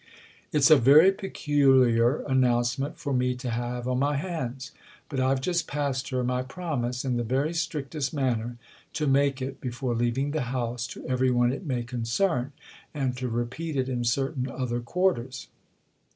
It's a very peculiar announcement for me to have on my hands, but I've just passed her my promise, in the very strictest manner, to make it, before leaving the house, to every one it may concern, and to repeat it in certain other quarters."